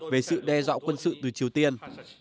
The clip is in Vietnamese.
về sự đe dọa quân sự từ triều tiên